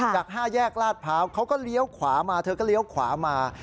จาก๕แยกลาดพร้าวเขาก็เลี้ยวขวามาเธอก็เลี้ยวขวามา